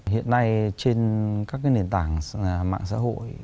hiện nay trên các nền tảng mạng xã hội